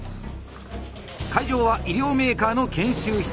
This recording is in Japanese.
会場は医療メーカーの研修施設。